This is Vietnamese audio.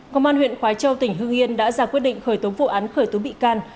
công an huyện khói châu tỉnh hương yên đã ra quyết định khởi tố vụ án khởi tố bị can